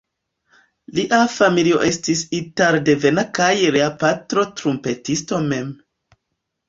Lia familio estis italdevena kaj lia patro trumpetisto mem.